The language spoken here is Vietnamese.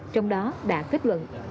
trong đó đã kết luận